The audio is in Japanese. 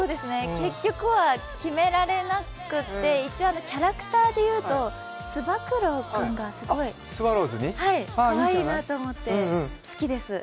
結局は決められなくて一応キャラクターでいうとつば九郎君がすごいかわいいなと思って好きです。